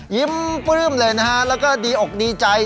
ปลื้มเลยนะฮะแล้วก็ดีอกดีใจ